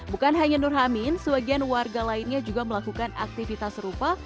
bukan hanya nurhamin sebagian warga lainnya juga melakukan aktivitas serupa